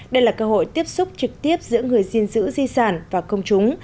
đây là cơ hội tiếp xúc trực tiếp giữa người diên dữ di sản và công chúng